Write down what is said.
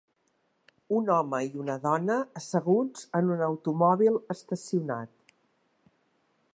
Un home i una dona asseguts en un automòbil estacionat.